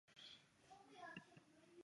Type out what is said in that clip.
它也是阿佛罗狄忒的崇拜中心。